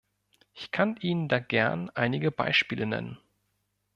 Ich kann Ihnen da gern einige Beispiele nennen.